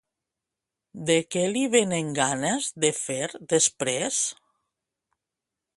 De què li venen ganes de fer després?